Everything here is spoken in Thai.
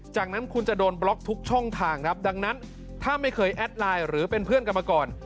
จากนั้นคุณจะโดนบล็อกทุกช่องทางครับดังนั้นถ้าไม่เคยแอดไลน์หรือเป็นเพื่อนกันมาก่อน